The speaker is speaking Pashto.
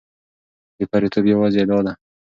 بې پرېتوب یوازې ادعا ده.